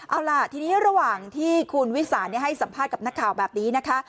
เอาล่ะทีนี้ระหว่างที่คุณวิสานให้สัมภาษณ์กับนักข่าวแบบนี้นะคะ